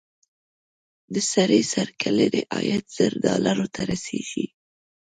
د سړي سر کلنی عاید زر ډالرو ته رسېږي.